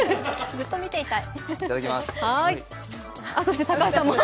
ずっと見てみたい。